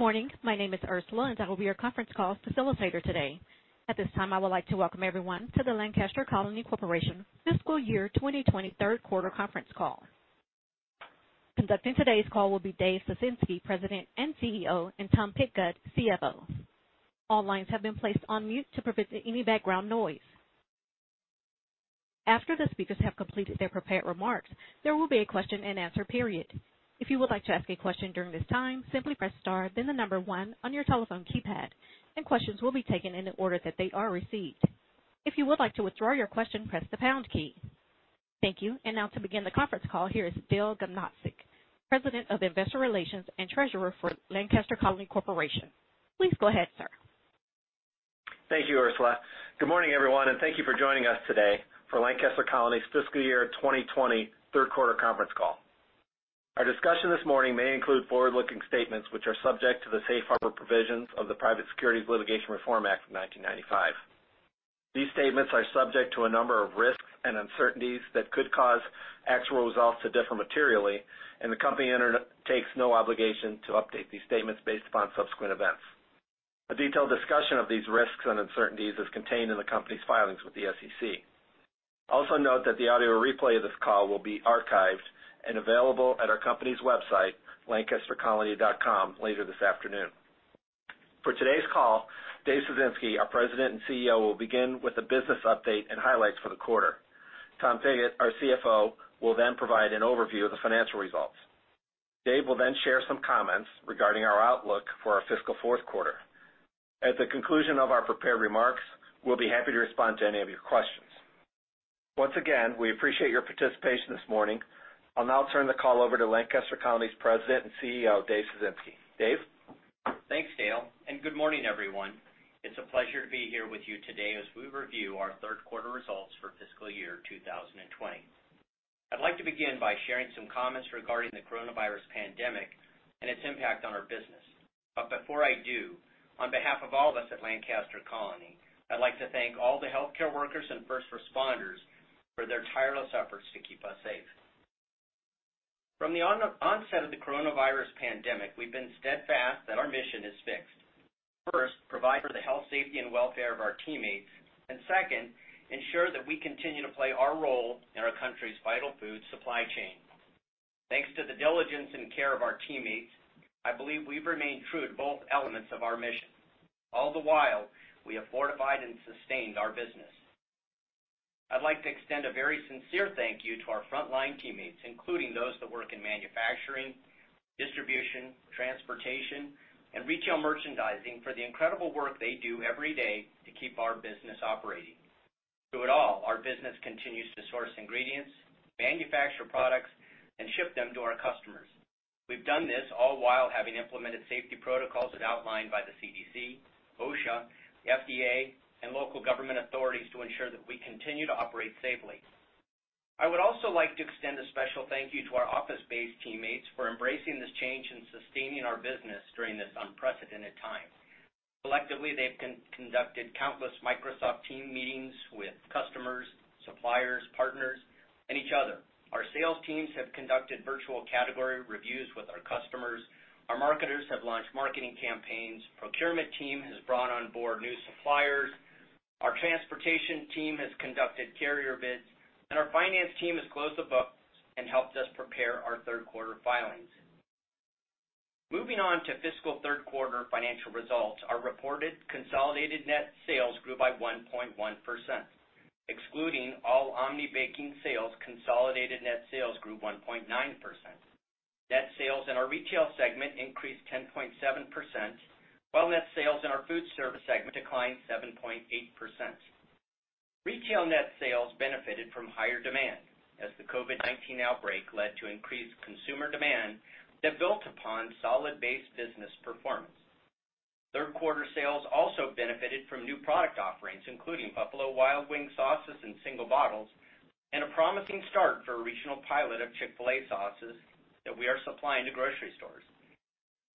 Good morning. My name is Ursula, and I will be your conference call facilitator today. At this time, I would like to welcome everyone to the Lancaster Colony Corporation Fiscal Year 2020 Third Quarter conference call. Conducting today's call will be Dave Ciesinski, President and CEO, and Tom Pigott, CFO. All lines have been placed on mute to prevent any background noise. After the speakers have completed their prepared remarks, there will be a question-and-answer period. If you would like to ask a question during this time, simply press star then the number one on your telephone keypad, and questions will be taken in the order that they are received. If you would like to withdraw your question, press the pound key. Thank you. Now, to begin the conference call, here is Dale Ganobsik, President of Investor Relations and Treasurer for Lancaster Colony Corporation. Please go ahead, sir. Thank you, Ursula. Good morning, everyone, and thank you for joining us today for Lancaster Colony's Fiscal Year 2020 Third Quarter conference call. Our discussion this morning may include forward-looking statements which are subject to the Safe Harbor Provisions of the Private Securities Litigation Reform Act of 1995. These statements are subject to a number of risks and uncertainties that could cause actual results to differ materially, and the company takes no obligation to update these statements based upon subsequent events. A detailed discussion of these risks and uncertainties is contained in the company's filings with the SEC. Also note that the audio replay of this call will be archived and available at our company's website, lancastercolony.com, later this afternoon. For today's call, Dave Ciesinski, our President and CEO, will begin with a business update and highlights for the quarter. Tom Pigott, our CFO, will then provide an overview of the financial results. Dave will then share some comments regarding our outlook for our fiscal fourth quarter. At the conclusion of our prepared remarks, we'll be happy to respond to any of your questions. Once again, we appreciate your participation this morning. I'll now turn the call over to Lancaster Colony's President and CEO, Dave Ciesinski. Dave? Thanks, Dale, and good morning, everyone. It's a pleasure to be here with you today as we review our third quarter results for fiscal year 2020. I'd like to begin by sharing some comments regarding the coronavirus pandemic and its impact on our business. Before I do, on behalf of all of us at Lancaster Colony, I'd like to thank all the healthcare workers and first responders for their tireless efforts to keep us safe. From the onset of the coronavirus pandemic, we've been steadfast that our mission is fixed. First, provide for the health, safety, and welfare of our teammates, and second, ensure that we continue to play our role in our country's vital food supply chain. Thanks to the diligence and care of our teammates, I believe we've remained true to both elements of our mission, all the while we have fortified and sustained our business. I'd like to extend a very sincere thank you to our frontline teammates, including those that work in manufacturing, distribution, transportation, and retail merchandising for the incredible work they do every day to keep our business operating. Through it all, our business continues to source ingredients, manufacture products, and ship them to our customers. We've done this all while having implemented safety protocols as outlined by the CDC, OSHA, the FDA, and local government authorities to ensure that we continue to operate safely. I would also like to extend a special thank you to our office-based teammates for embracing this change and sustaining our business during this unprecedented time. Collectively, they've conducted countless Microsoft Teams meetings with customers, suppliers, partners, and each other. Our sales teams have conducted virtual category reviews with our customers. Our marketers have launched marketing campaigns. The procurement team has brought on board new suppliers. Our transportation team has conducted carrier bids, and our finance team has closed the books and helped us prepare our third quarter filings. Moving on to fiscal third quarter financial results, our reported consolidated net sales grew by 1.1%, excluding all Omni Baking sales, consolidated net sales grew 1.9%. Net sales in our retail segment increased 10.7%, while net sales in our food service segment declined 7.8%. Retail net sales benefited from higher demand as the COVID-19 outbreak led to increased consumer demand that built upon solid base business performance. Third quarter sales also benefited from new product offerings, including Buffalo Wild Wings sauces in single bottles and a promising start for a regional pilot of Chick-fil-A sauces that we are supplying to grocery stores.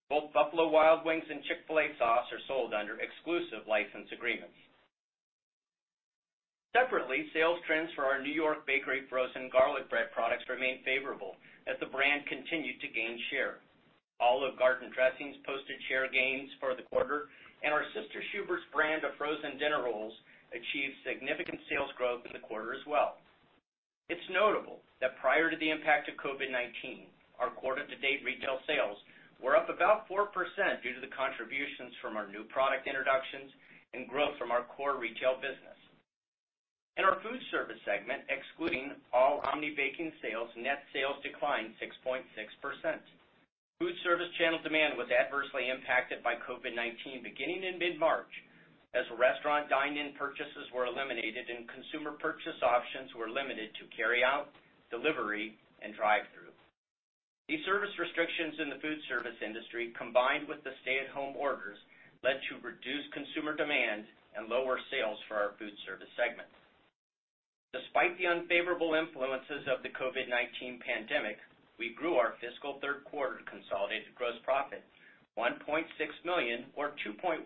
Both Buffalo Wild Wings and Chick-fil-A sauce are sold under exclusive license agreements. Separately, sales trends for our New York Bakery frozen garlic bread products remain favorable as the brand continued to gain share. Olive Garden dressings posted share gains for the quarter, and our Sister Schubert's brand of frozen dinner rolls achieved significant sales growth in the quarter as well. It's notable that prior to the impact of COVID-19, our quarter-to-date retail sales were up about 4% due to the contributions from our new product introductions and growth from our core retail business. In our food service segment, excluding all Omni Baking sales, net sales declined 6.6%. Food service channel demand was adversely impacted by COVID-19 beginning in mid-March as restaurant dine-in purchases were eliminated and consumer purchase options were limited to carry-out, delivery, and drive-thru. These service restrictions in the food service industry, combined with the stay-at-home orders, led to reduced consumer demand and lower sales for our food service segment. Despite the unfavorable influences of the COVID-19 pandemic, we grew our fiscal third quarter consolidated gross profit $1.6 million, or 2.1%,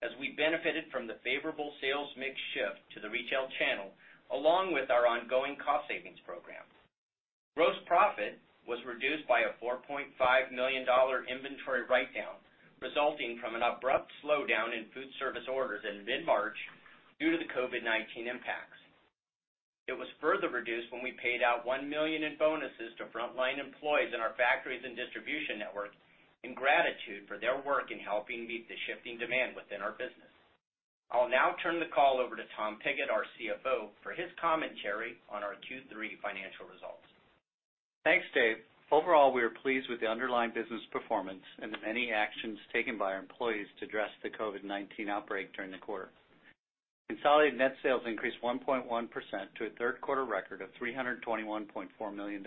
as we benefited from the favorable sales mix shift to the retail channel along with our ongoing cost savings program. Gross profit was reduced by a $4.5 million inventory write-down resulting from an abrupt slowdown in food service orders in mid-March due to the COVID-19 impacts. It was further reduced when we paid out $1 million in bonuses to frontline employees in our factories and distribution network in gratitude for their work in helping meet the shifting demand within our business. I'll now turn the call over to Tom Pigott, our CFO, for his commentary on our Q3 financial results. Thanks, Dave. Overall, we are pleased with the underlying business performance and the many actions taken by our employees to address the COVID-19 outbreak during the quarter. Consolidated net sales increased 1.1% to a third quarter record of $321.4 million.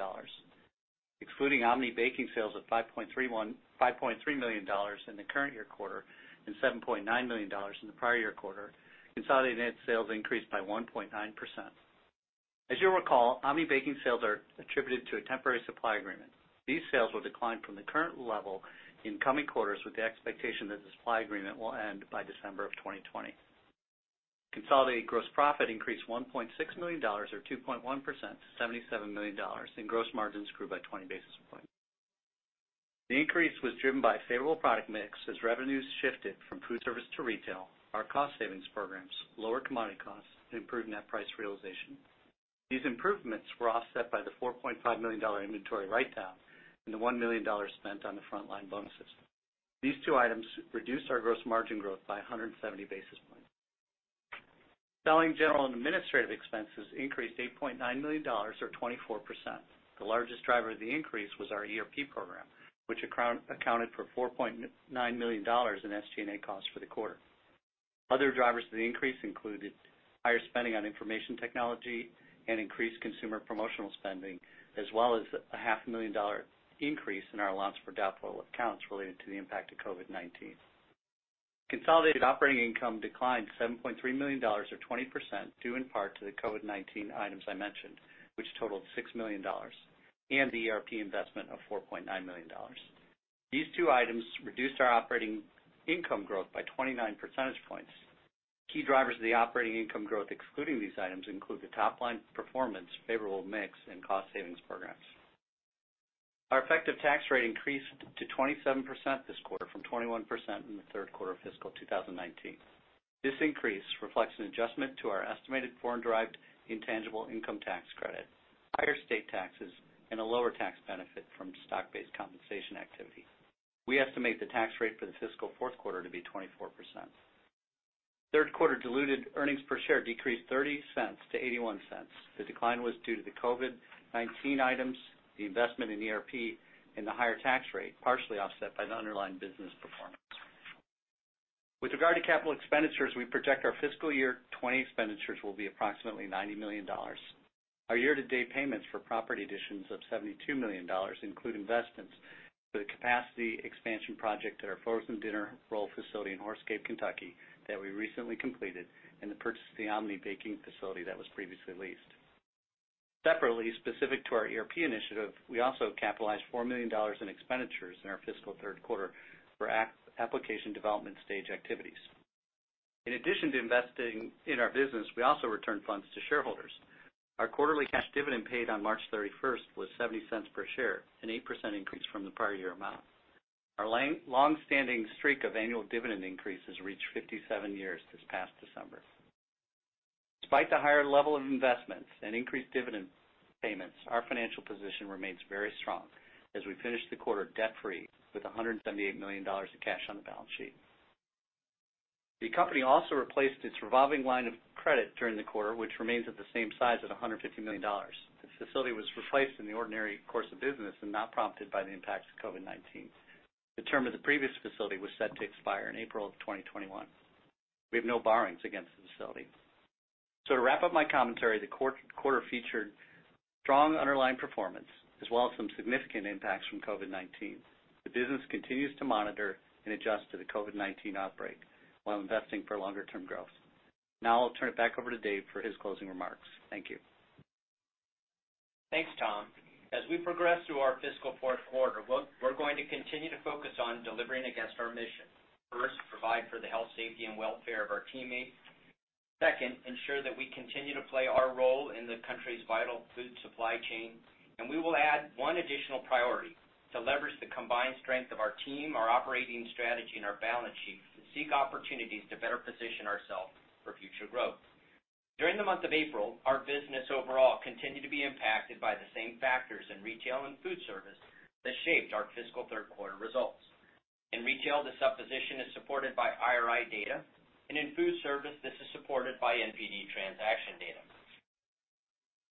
Excluding Omni Baking sales of $5.3 million in the current year quarter and $7.9 million in the prior year quarter, consolidated net sales increased by 1.9%. As you'll recall, Omni Baking sales are attributed to a temporary supply agreement. These sales will decline from the current level in coming quarters with the expectation that the supply agreement will end by December of 2020. Consolidated gross profit increased $1.6 million, or 2.1%, to $77 million, and gross margins grew by 20 basis points. The increase was driven by a favorable product mix as revenues shifted from food service to retail, our cost savings programs, lower commodity costs, and improved net price realization. These improvements were offset by the $4.5 million inventory write-down and the $1 million spent on the frontline bonuses. These two items reduced our gross margin growth by 170 basis points. Selling, general and administrative expenses increased $8.9 million, or 24%. The largest driver of the increase was our ERP program, which accounted for $4.9 million in SG&A costs for the quarter. Other drivers of the increase included higher spending on information technology and increased consumer promotional spending, as well as a $500,000 increase in our loss for doubt flow of accounts related to the impact of COVID-19. Consolidated operating income declined $7.3 million, or 20%, due in part to the COVID-19 items I mentioned, which totaled $6 million, and the ERP investment of $4.9 million. These two items reduced our operating income growth by 29 percentage points. Key drivers of the operating income growth, excluding these items, include the top-line performance, favorable mix, and cost savings programs. Our effective tax rate increased to 27% this quarter from 21% in the third quarter of fiscal 2019. This increase reflects an adjustment to our estimated foreign-derived intangible income tax credit, higher state taxes, and a lower tax benefit from stock-based compensation activity. We estimate the tax rate for the fiscal fourth quarter to be 24%. Third quarter diluted earnings per share decreased $0.30-$0.81. The decline was due to the COVID-19 items, the investment in ERP, and the higher tax rate, partially offset by the underlying business performance. With regard to capital expenditures, we project our fiscal year 2020 expenditures will be approximately $90 million. Our year-to-date payments for property additions of $72 million include investments for the capacity expansion project at our frozen dinner roll facility in Horse Cave, Kentucky, that we recently completed, and the purchase of the Omni Baking facility that was previously leased. Separately, specific to our ERP initiative, we also capitalized $4 million in expenditures in our fiscal third quarter for application development stage activities. In addition to investing in our business, we also returned funds to shareholders. Our quarterly cash dividend paid on March 31 was $0.70 per share, an 8% increase from the prior year amount. Our long-standing streak of annual dividend increases reached 57 years this past December. Despite the higher level of investments and increased dividend payments, our financial position remains very strong as we finished the quarter debt-free with $178 million in cash on the balance sheet. The company also replaced its revolving line of credit during the quarter, which remains at the same size at $150 million. The facility was replaced in the ordinary course of business and not prompted by the impacts of COVID-19. The term of the previous facility was set to expire in April of 2021. We have no borrowings against the facility. To wrap up my commentary, the quarter featured strong underlying performance as well as some significant impacts from COVID-19. The business continues to monitor and adjust to the COVID-19 outbreak while investing for longer-term growth. Now I'll turn it back over to Dave for his closing remarks. Thank you. Thanks, Tom. As we progress through our fiscal fourth quarter, we're going to continue to focus on delivering against our mission. First, provide for the health, safety, and welfare of our teammates. Second, ensure that we continue to play our role in the country's vital food supply chain. We will add one additional priority to leverage the combined strength of our team, our operating strategy, and our balance sheet to seek opportunities to better position ourselves for future growth. During the month of April, our business overall continued to be impacted by the same factors in retail and food service that shaped our fiscal third quarter results. In retail, the supposition is supported by IRI data, and in food service, this is supported by NPD transaction data.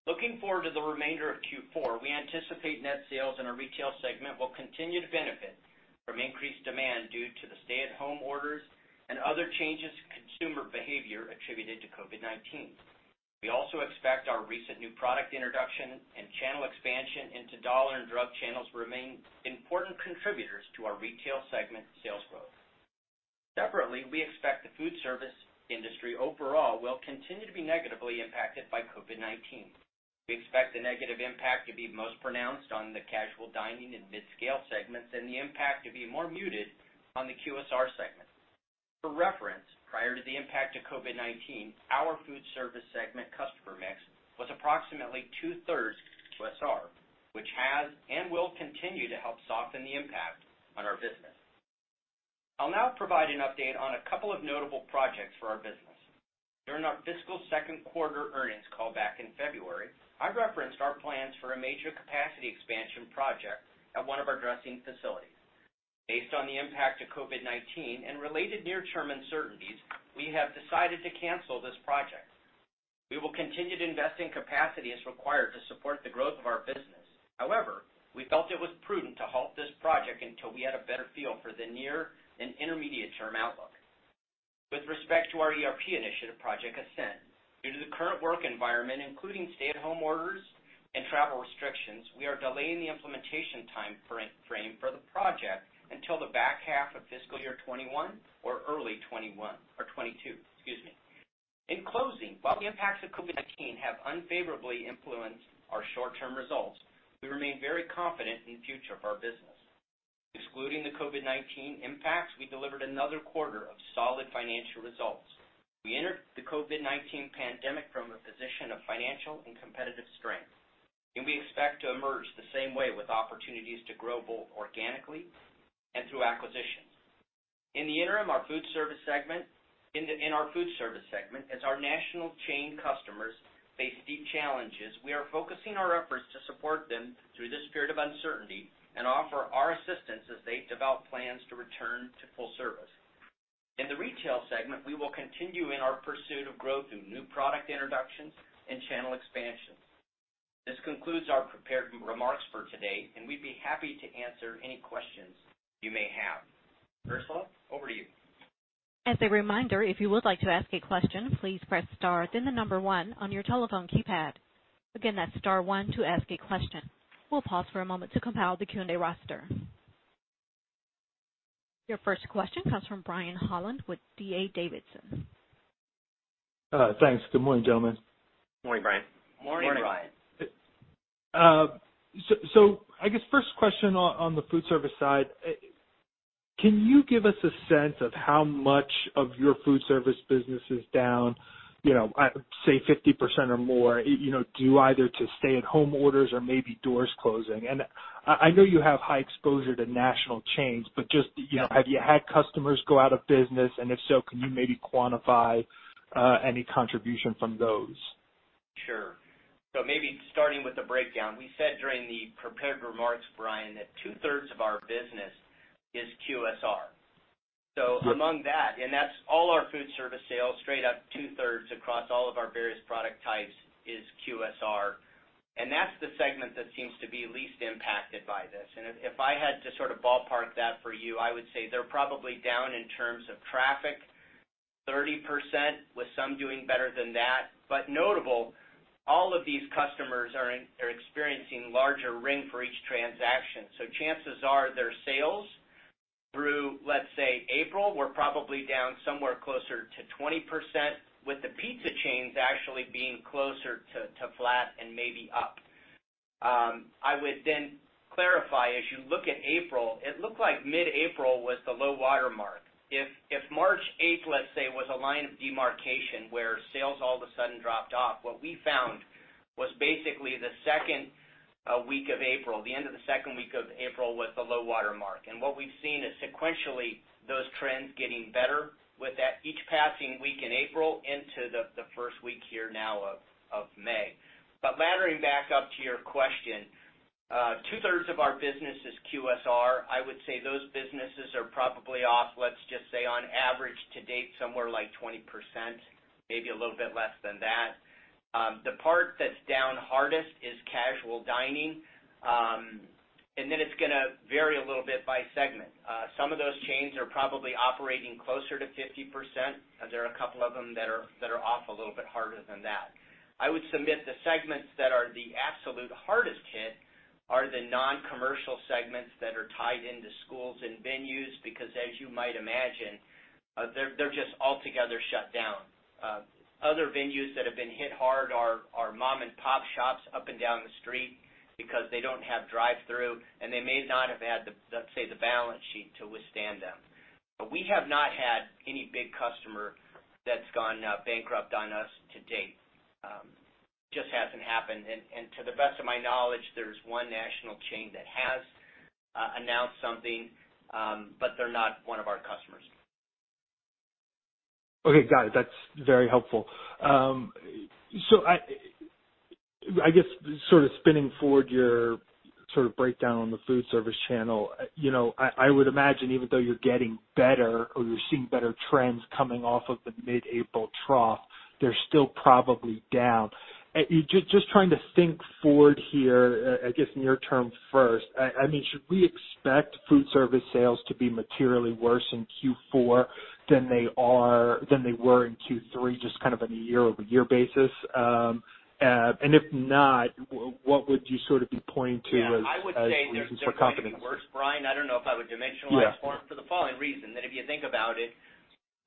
Looking forward to the remainder of Q4, we anticipate net sales in our retail segment will continue to benefit from increased demand due to the stay-at-home orders and other changes in consumer behavior attributed to COVID-19. We also expect our recent new product introduction and channel expansion into dollar and drug channels to remain important contributors to our retail segment sales growth. Separately, we expect the food service industry overall will continue to be negatively impacted by COVID-19. We expect the negative impact to be most pronounced on the casual dining and mid-scale segments and the impact to be more muted on the QSR segment. For reference, prior to the impact of COVID-19, our food service segment customer mix was approximately two-thirds QSR, which has and will continue to help soften the impact on our business. I'll now provide an update on a couple of notable projects for our business. During our fiscal second quarter earnings callback in February, I referenced our plans for a major capacity expansion project at one of our dressing facilities. Based on the impact of COVID-19 and related near-term uncertainties, we have decided to cancel this project. We will continue to invest in capacity as required to support the growth of our business. However, we felt it was prudent to halt this project until we had a better feel for the near and intermediate-term outlook. With respect to our ERP initiative Project Ascent, due to the current work environment, including stay-at-home orders and travel restrictions, we are delaying the implementation time frame for the project until the back half of fiscal year 2021 or early 2022. In closing, while the impacts of COVID-19 have unfavorably influenced our short-term results, we remain very confident in the future of our business. Excluding the COVID-19 impacts, we delivered another quarter of solid financial results. We entered the COVID-19 pandemic from a position of financial and competitive strength, and we expect to emerge the same way with opportunities to grow both organically and through acquisitions. In the interim, in our food service segment, as our national chain customers face deep challenges, we are focusing our efforts to support them through this period of uncertainty and offer our assistance as they develop plans to return to full service. In the retail segment, we will continue in our pursuit of growth through new product introductions and channel expansions. This concludes our prepared remarks for today, and we'd be happy to answer any questions you may have. Ursula, over to you. As a reminder, if you would like to ask a question, please press star then the number one on your telephone keypad. Again, that's star one to ask a question. We'll pause for a moment to compile the Q&A roster. Your first question comes from Brian Holland with D.A. Davidson. Thanks. Good morning, gentlemen. Morning, Brian. Morning, Brian. I guess first question on the food service side, can you give us a sense of how much of your food service business is down, say, 50% or more, due either to stay-at-home orders or maybe doors closing? I know you have high exposure to national chains, but just have you had customers go out of business? If so, can you maybe quantify any contribution from those? Sure. Maybe starting with the breakdown, we said during the prepared remarks, Brian, that two-thirds of our business is QSR. Among that, and that's all our food service sales, straight up two-thirds across all of our various product types is QSR. That is the segment that seems to be least impacted by this. If I had to sort of ballpark that for you, I would say they're probably down in terms of traffic 30% with some doing better than that. Notable, all of these customers are experiencing larger ring for each transaction. Chances are their sales through, let's say, April, were probably down somewhere closer to 20%, with the pizza chains actually being closer to flat and maybe up. I would then clarify, as you look at April, it looked like mid-April was the low watermark. If March 8, let's say, was a line of demarcation where sales all of a sudden dropped off, what we found was basically the second week of April, the end of the second week of April was the low watermark. What we've seen is sequentially those trends getting better with each passing week in April into the first week here now of May. Laddering back up to your question, two-thirds of our business is QSR. I would say those businesses are probably off, let's just say, on average to date somewhere like 20%, maybe a little bit less than that. The part that's down hardest is casual dining. It's going to vary a little bit by segment. Some of those chains are probably operating closer to 50%, and there are a couple of them that are off a little bit harder than that. I would submit the segments that are the absolute hardest hit are the non-commercial segments that are tied into schools and venues because, as you might imagine, they're just altogether shut down. Other venues that have been hit hard are mom-and-pop shops up and down the street because they don't have drive-through, and they may not have had, let's say, the balance sheet to withstand them. We have not had any big customer that's gone bankrupt on us to date. It just hasn't happened. To the best of my knowledge, there's one national chain that has announced something, but they're not one of our customers. Okay. Got it. That's very helpful. I guess sort of spinning forward your sort of breakdown on the food service channel, I would imagine even though you're getting better or you're seeing better trends coming off of the mid-April trough, they're still probably down. Just trying to think forward here, I guess near-term first, I mean, should we expect food service sales to be materially worse in Q4 than they were in Q3, just kind of on a year-over-year basis? If not, what would you sort of be pointing to as reasons for confidence? Yeah. I would say there's been a lot of worse, Brian. I don't know if I would dimensionalize for him for the following reason. That if you think about it,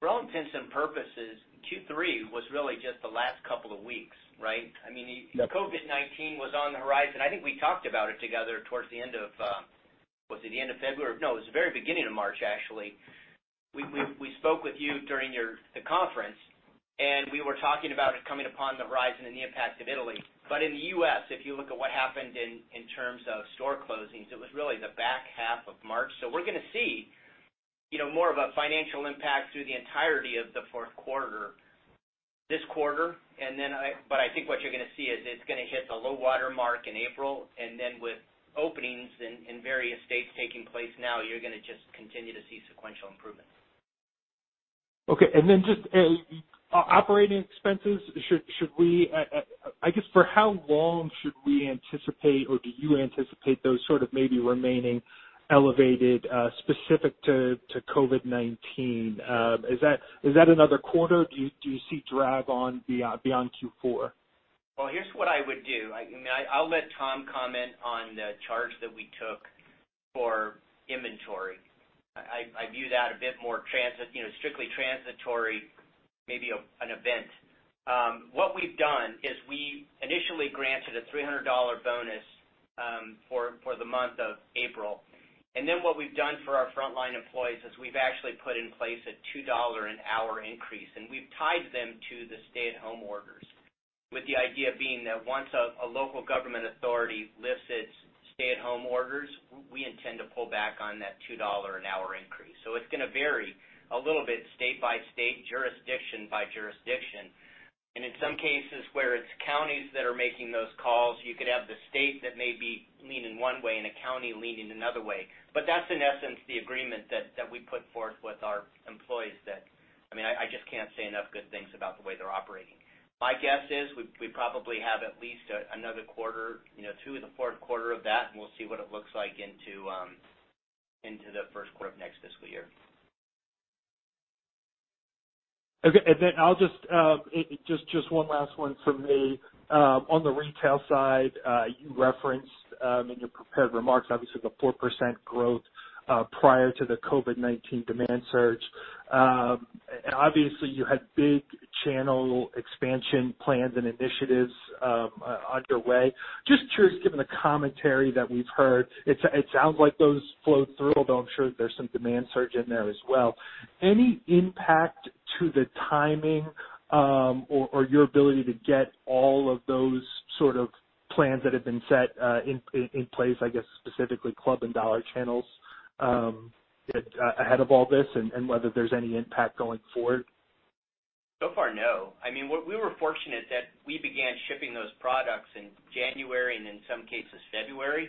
for all intents and purposes, Q3 was really just the last couple of weeks, right? I mean, COVID-19 was on the horizon. I think we talked about it together towards the end of—was it the end of February? No, it was the very beginning of March, actually. We spoke with you during the conference, and we were talking about it coming upon the horizon and the impact of Italy. In the U.S., if you look at what happened in terms of store closings, it was really the back half of March. We are going to see more of a financial impact through the entirety of the fourth quarter this quarter. I think what you're going to see is it's going to hit the low watermark in April. With openings in various states taking place now, you're going to just continue to see sequential improvements. Okay. And then just operating expenses, should we—I guess for how long should we anticipate or do you anticipate those sort of maybe remaining elevated specific to COVID-19? Is that another quarter? Do you see drag on beyond Q4? Here's what I would do. I mean, I'll let Tom comment on the charge that we took for inventory. I view that a bit more strictly transitory, maybe an event. What we've done is we initially granted a $300 bonus for the month of April. What we've done for our frontline employees is we've actually put in place a $2 an hour increase. We've tied them to the stay-at-home orders with the idea being that once a local government authority lifts its stay-at-home orders, we intend to pull back on that $2 an hour increase. It is going to vary a little bit state by state, jurisdiction by jurisdiction. In some cases where it is counties that are making those calls, you could have the state that may be leaning one way and a county leaning another way. That's, in essence, the agreement that we put forth with our employees that, I mean, I just can't say enough good things about the way they're operating. My guess is we probably have at least another quarter, two of the fourth quarter of that, and we'll see what it looks like into the first quarter of next fiscal year. Okay. Just one last one from me. On the retail side, you referenced in your prepared remarks, obviously, the 4% growth prior to the COVID-19 demand surge. Obviously, you had big channel expansion plans and initiatives underway. Just curious, given the commentary that we've heard, it sounds like those flowed through, although I'm sure there's some demand surge in there as well. Any impact to the timing or your ability to get all of those sort of plans that have been set in place, I guess specifically club and dollar channels ahead of all this and whether there's any impact going forward? So far, no. I mean, we were fortunate that we began shipping those products in January and in some cases February.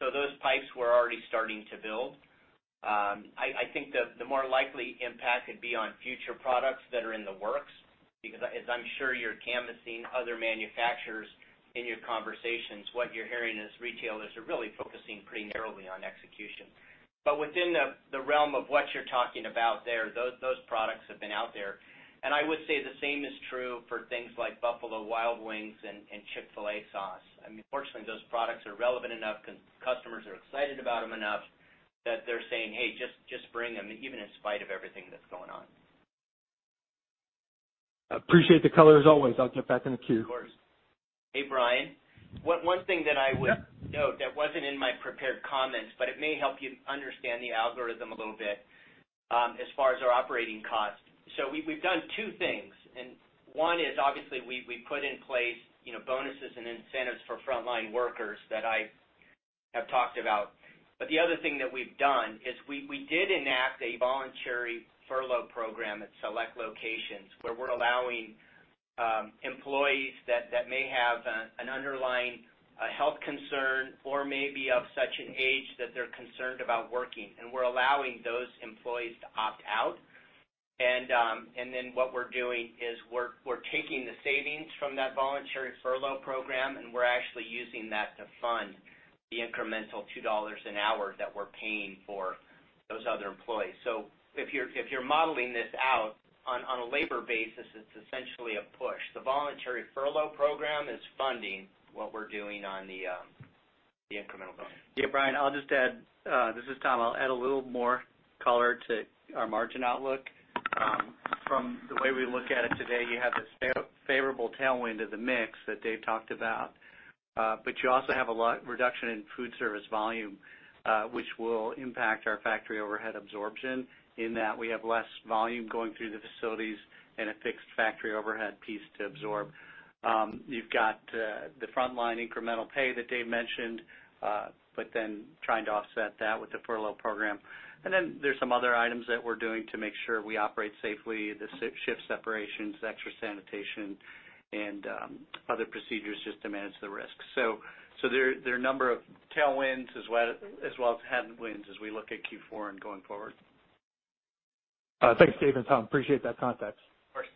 Those pipes were already starting to build. I think the more likely impact would be on future products that are in the works because, as I'm sure you're canvassing other manufacturers in your conversations, what you're hearing is retailers are really focusing pretty narrowly on execution. Within the realm of what you're talking about there, those products have been out there. I would say the same is true for things like Buffalo Wild Wings and Chick-fil-A sauce. I mean, fortunately, those products are relevant enough because customers are excited about them enough that they're saying, "Hey, just bring them," even in spite of everything that's going on. Appreciate the color as always. I'll get back in the queue. Of course. Hey, Brian. One thing that I would note that was not in my prepared comments, but it may help you understand the algorithm a little bit as far as our operating cost. We have done two things. One is, obviously, we put in place bonuses and incentives for frontline workers that I have talked about. The other thing that we have done is we did enact a voluntary furlough program at select locations where we are allowing employees that may have an underlying health concern or may be of such an age that they are concerned about working. We are allowing those employees to opt out. What we are doing is we are taking the savings from that voluntary furlough program, and we are actually using that to fund the incremental $2 an hour that we are paying for those other employees. If you're modeling this out on a labor basis, it's essentially a push. The voluntary furlough program is funding what we're doing on the incremental bonus. Yeah, Brian, I'll just add—this is Tom—I'll add a little more color to our margin outlook. From the way we look at it today, you have this favorable tailwind of the mix that Dave talked about. You also have a reduction in food service volume, which will impact our factory overhead absorption in that we have less volume going through the facilities and a fixed factory overhead piece to absorb. You have the frontline incremental pay that Dave mentioned, but then trying to offset that with the furlough program. There are some other items that we're doing to make sure we operate safely, the shift separations, extra sanitation, and other procedures just to manage the risk. There are a number of tailwinds as well as headwinds as we look at Q4 and going forward. Thanks, Dave and Tom. Appreciate that context. Of course.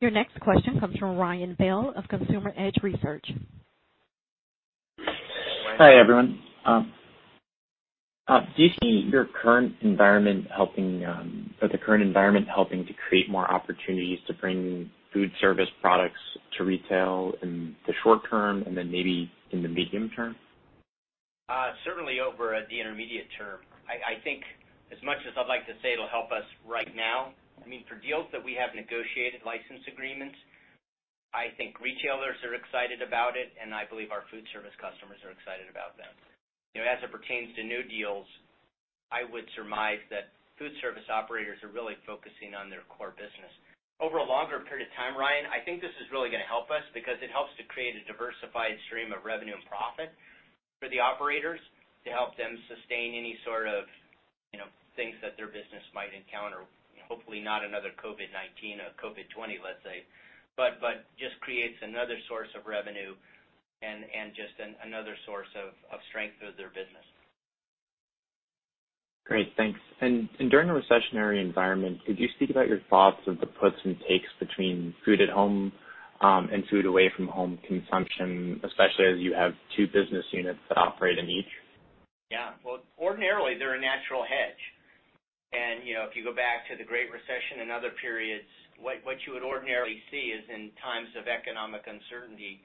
Your next question comes from Ryan Bell of Consumer Edge Research. Hi everyone. Do you see your current environment helping or the current environment helping to create more opportunities to bring food service products to retail in the short-term and then maybe in the medium term? Certainly over the intermediate term. I think as much as I'd like to say it'll help us right now, I mean, for deals that we have negotiated license agreements, I think retailers are excited about it, and I believe our food service customers are excited about them. As it pertains to new deals, I would surmise that food service operators are really focusing on their core business. Over a longer period of time, Ryan, I think this is really going to help us because it helps to create a diversified stream of revenue and profit for the operators to help them sustain any sort of things that their business might encounter, hopefully not another COVID-19 or COVID-20, let's say, but just creates another source of revenue and just another source of strength for their business. Great. Thanks. During a recessionary environment, could you speak about your thoughts of the puts and takes between food at home and food away from home consumption, especially as you have two business units that operate in each? Yeah. Ordinarily, they're a natural hedge. If you go back to the Great Recession and other periods, what you would ordinarily see is in times of economic uncertainty,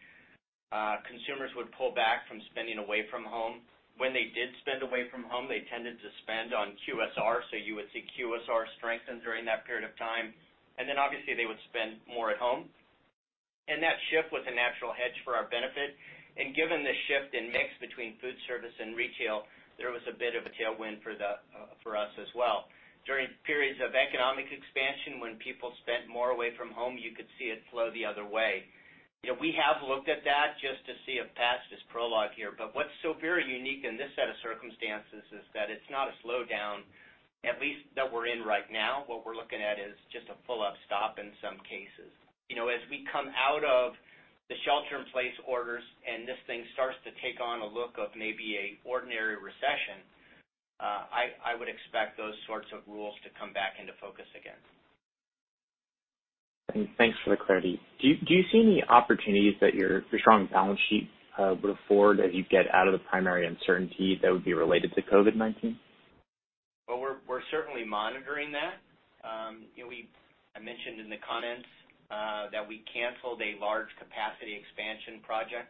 consumers would pull back from spending away from home. When they did spend away from home, they tended to spend on QSR. You would see QSR strengthen during that period of time. Obviously, they would spend more at home. That shift was a natural hedge for our benefit. Given the shift in mix between food service and retail, there was a bit of a tailwind for us as well. During periods of economic expansion, when people spent more away from home, you could see it flow the other way. We have looked at that just to see if past is prologue here. What is so very unique in this set of circumstances is that it is not a slowdown, at least that we are in right now. What we are looking at is just a full-up stop in some cases. As we come out of the shelter-in-place orders and this thing starts to take on a look of maybe an ordinary recession, I would expect those sorts of rules to come back into focus again. Thanks for the clarity. Do you see any opportunities that your strong balance sheet would afford as you get out of the primary uncertainty that would be related to COVID-19? We are certainly monitoring that. I mentioned in the comments that we canceled a large capacity expansion project.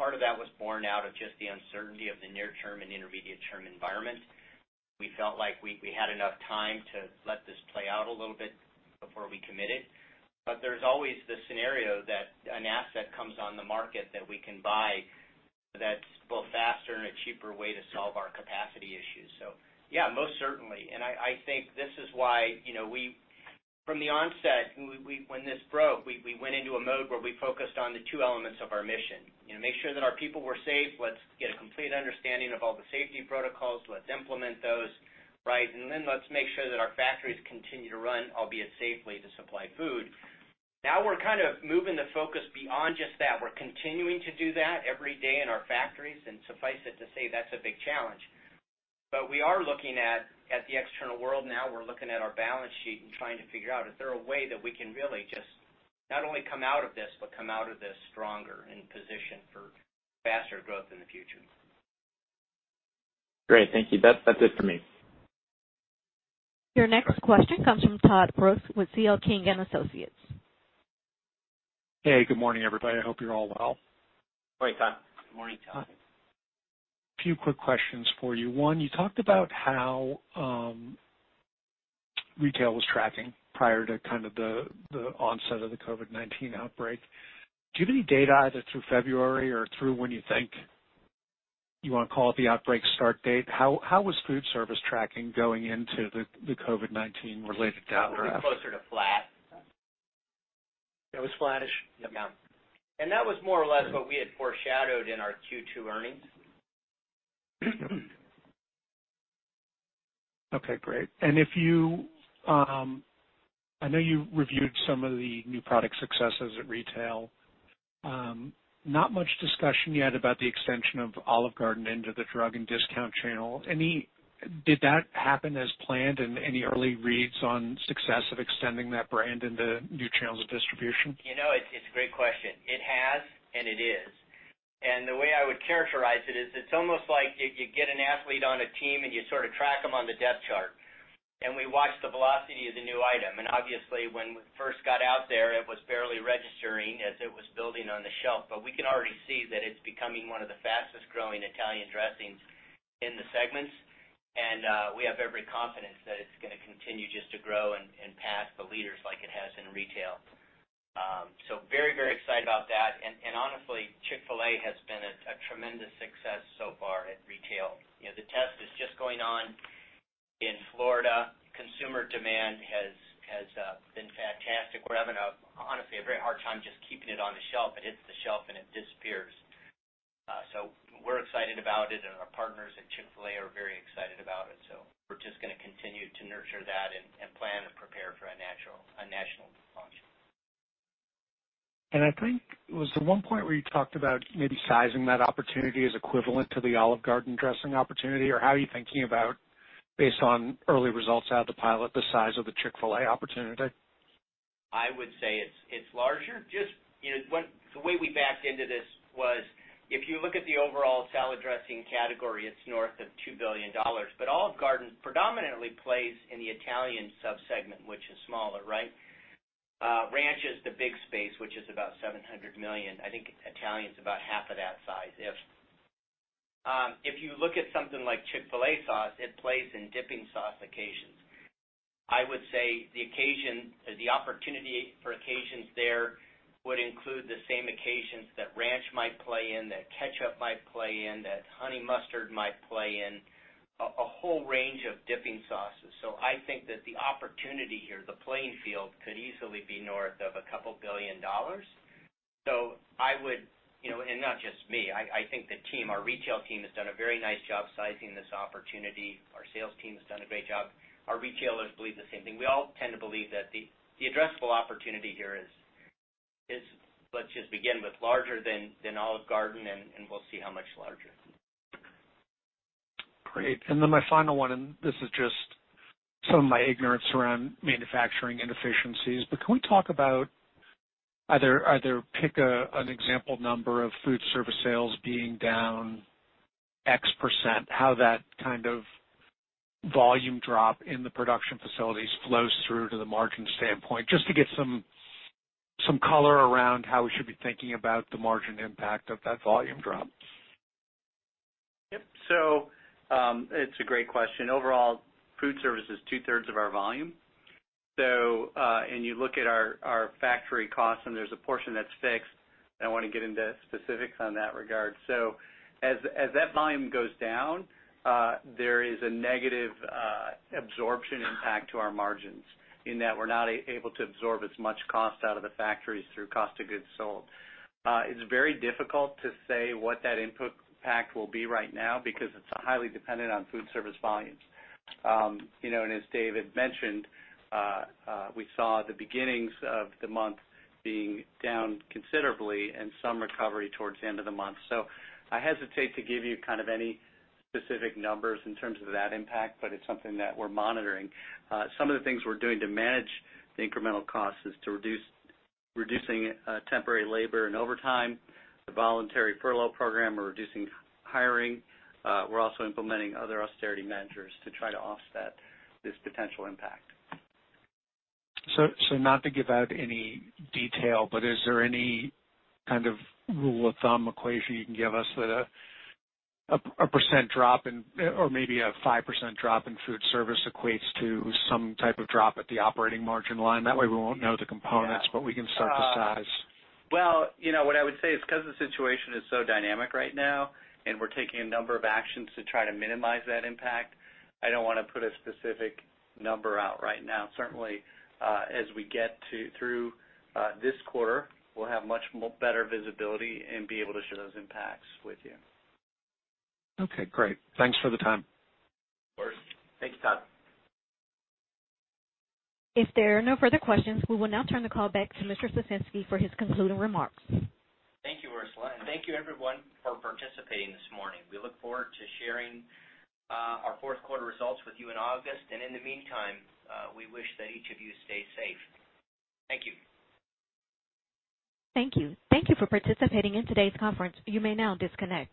Part of that was borne out of just the uncertainty of the near-term and intermediate-term environment. We felt like we had enough time to let this play out a little bit before we committed. There is always the scenario that an asset comes on the market that we can buy that is both faster and a cheaper way to solve our capacity issues. Yes, most certainly. I think this is why from the onset, when this broke, we went into a mode where we focused on the two elements of our mission: make sure that our people were safe, let's get a complete understanding of all the safety protocols, let's implement those, right? Then let's make sure that our factories continue to run, albeit safely, to supply food. Now we're kind of moving the focus beyond just that. We're continuing to do that every day in our factories. Suffice it to say, that's a big challenge. We are looking at the external world now. We're looking at our balance sheet and trying to figure out if there's a way that we can really just not only come out of this, but come out of this stronger in position for faster growth in the future. Great. Thank you. That's it for me. Your next question comes from Todd Brooks with C.L. King & Associates. Hey, good morning, everybody. I hope you're all well. Morning, Todd. Good morning, Todd. A few quick questions for you. One, you talked about how retail was tracking prior to kind of the onset of the COVID-19 outbreak. Do you have any data either through February or through when you think you want to call it the outbreak start date? How was food service tracking going into the COVID-19 related data? It was closer to flat. It was flat-ish. Yeah. And that was more or less what we had foreshadowed in our Q2 earnings. Okay. Great. I know you reviewed some of the new product successes at retail. Not much discussion yet about the extension of Olive Garden into the drug and discount channel. Did that happen as planned and any early reads on success of extending that brand into new channels of distribution? It's a great question. It has, and it is. The way I would characterize it is it's almost like you get an athlete on a team and you sort of track them on the depth chart. We watch the velocity of the new item. Obviously, when we first got out there, it was barely registering as it was building on the shelf. We can already see that it's becoming one of the fastest-growing Italian dressings in the segments. We have every confidence that it's going to continue just to grow and pass the leaders like it has in retail. Very, very excited about that. Honestly, Chick-fil-A has been a tremendous success so far at retail. The test is just going on in Florida. Consumer demand has been fantastic. We're having, honestly, a very hard time just keeping it on the shelf. It hits the shelf and it disappears. We are excited about it. Our partners at Chick-fil-A are very excited about it. We are just going to continue to nurture that and plan and prepare for a national launch. I think there was one point where you talked about maybe sizing that opportunity as equivalent to the Olive Garden dressing opportunity. How are you thinking about, based on early results out of the pilot, the size of the Chick-fil-A opportunity? I would say it's larger. Just the way we backed into this was if you look at the overall salad dressing category, it's north of $2 billion. Olive Garden predominantly plays in the Italian subsegment, which is smaller, right? Ranch is the big space, which is about $700 million. I think Italian's about half of that size. If you look at something like Chick-fil-A sauce, it plays in dipping sauce occasions. I would say the opportunity for occasions there would include the same occasions that ranch might play in, that ketchup might play in, that honey mustard might play in, a whole range of dipping sauces. I think that the opportunity here, the playing field, could easily be north of a couple billion dollars. I would—and not just me. I think the team, our retail team, has done a very nice job sizing this opportunity. Our sales team has done a great job. Our retailers believe the same thing. We all tend to believe that the addressable opportunity here is, let's just begin with, larger than Olive Garden, and we'll see how much larger. Great. My final one—and this is just some of my ignorance around manufacturing inefficiencies—can we talk about either pick an example number of food service sales being down x percent, how that kind of volume drop in the production facilities flows through to the margin standpoint, just to get some color around how we should be thinking about the margin impact of that volume drop? Yep. It's a great question. Overall, food service is two-thirds of our volume. You look at our factory costs, and there's a portion that's fixed. I don't want to get into specifics on that regard. As that volume goes down, there is a negative absorption impact to our margins in that we're not able to absorb as much cost out of the factories through cost of goods sold. It's very difficult to say what that impact will be right now because it's highly dependent on food service volumes. As Dave had mentioned, we saw the beginnings of the month being down considerably and some recovery towards the end of the month. I hesitate to give you kind of any specific numbers in terms of that impact, but it's something that we're monitoring. Some of the things we're doing to manage the incremental costs is reducing temporary labor and overtime, the voluntary furlough program, or reducing hiring. We're also implementing other austerity measures to try to offset this potential impact. Not to give out any detail, but is there any kind of rule of thumb equation you can give us that a percent drop or maybe a 5% drop in food service equates to some type of drop at the operating margin line? That way, we will not know the components, but we can start to size. What I would say is because the situation is so dynamic right now, and we're taking a number of actions to try to minimize that impact, I don't want to put a specific number out right now. Certainly, as we get through this quarter, we'll have much better visibility and be able to share those impacts with you. Okay. Great. Thanks for the time. Of course. Thanks, Todd. If there are no further questions, we will now turn the call back to Mr. Ciesinski for his concluding remarks. Thank you, Ursula. Thank you, everyone, for participating this morning. We look forward to sharing our fourth quarter results with you in August. In the meantime, we wish that each of you stay safe. Thank you. Thank you. Thank you for participating in today's conference. You may now disconnect.